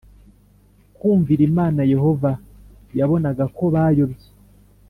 Kumvira imana yehova yabonaga ko bayobye